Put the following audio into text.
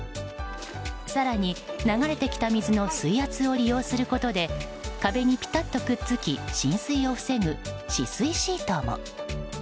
更に、流れてきた水の水圧を利用することで壁にぴたっとくっつき浸水を防ぐ止水シートも。